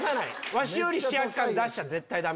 わしより主役感出しちゃ絶対ダメ。